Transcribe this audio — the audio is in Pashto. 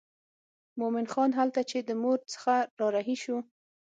مومن خان هلته چې د مور څخه را رهي شو.